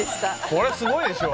「これすごいでしょ？」